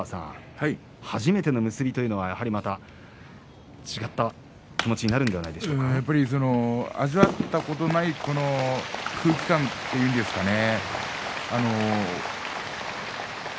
初めての結びというのは、やはり違った気持ちになるのでは味わったことのない空気感というんですかね。